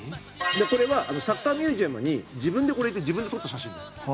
これはサッカーミュージアムに自分でこれ行って自分で撮った写真です。